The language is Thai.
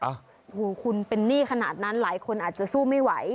โอ้โหคุณเป็นหนี้ขนาดนั้นหลายคนอาจจะสู้ไม่ไหว